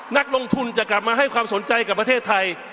นักลงทุนจะกลับมาให้ความสนใจกับประเทศไทย